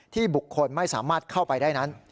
บุคคลไม่สามารถเข้าไปได้นั้น